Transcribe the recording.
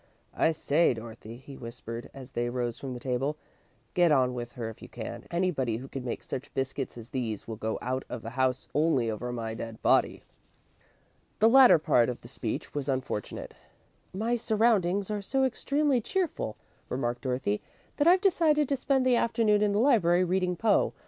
"I say, Dorothy," he whispered, as they rose from the table; "get on with her if you can. Anybody who can make such biscuits as these will go out of the house only over my dead body." The latter part of the speech was unfortunate. "My surroundings are so extremely cheerful," remarked Dorothy, "that I've decided to spend the afternoon in the library reading Poe.